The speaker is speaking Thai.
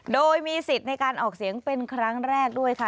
โดยมีสิทธิ์ในการออกเสียงเป็นครั้งแรกด้วยค่ะ